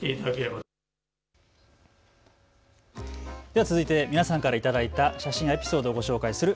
では続いて皆さんから頂いた写真やエピソードをご紹介する＃